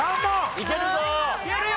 いけるぞ！